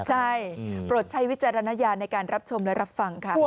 ใช่โปรดใช้วิจารณญาณในการรับชมและรับฟังค่ะ